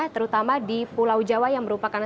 terutama di pulau jawa yang merupakan